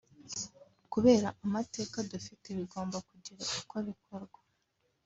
kubera amateka dufite bigomba kugira uko bikorwa